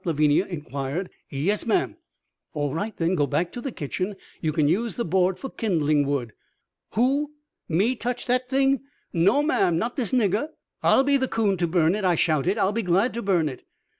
Lavinia inquired. "Yes, ma'am." "All right, then. Go back to the kitchen. You can use the board for kindling wood." "Who? Me touch dat t'ing? No, ma'am, not dis nigger!" "I'll be the coon to burn it," I shouted. "I'll be glad to burn it."